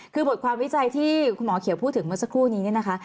คือบทความวิจัยที่คุณหมอเขียวพูดถึงเมื่อสักครู่นี้เนี่ยนะคะ